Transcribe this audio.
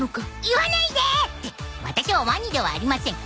言わないで！ってワタシはワニではありません。